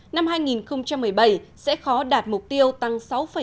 năm hai nghìn một mươi bảy sẽ khó đạt mục tiêu tăng sáu bảy